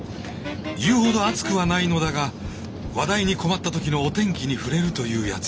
言うほど暑くはないのだが話題に困った時のお天気に触れるというやつ。